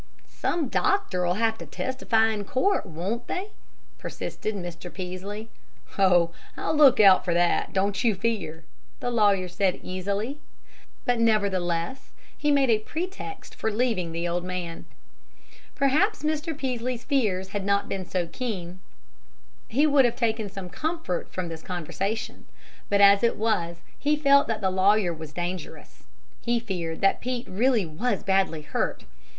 "Some doctor'll have to testify to court, won't they?" persisted Mr. Peaslee. "Oh, I'll look out for that, don't you fear!" the lawyer said easily; but nevertheless he made a pretext for leaving the old man. Perhaps had Mr. Peaslee's fears not been so keen, he would have taken some comfort from this conversation; but as it was he felt that the lawyer was dangerous; he feared that Pete really was badly hurt.